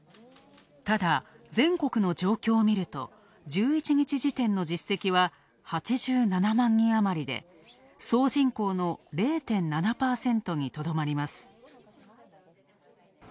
ただ全国の状況を見ると１１日時点での実績は８７万人あまりで総人口の０．７％にとどまります。